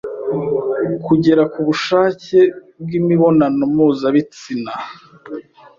kugera ku bushake bw’imibonano mpuzabitsian